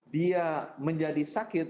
dia menjadi sakit